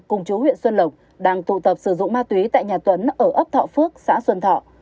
cùng chú huyện xuân lộc đang tụ tập sử dụng ma túy tại nhà tuấn ở ấp thọ phước xã xuân thọ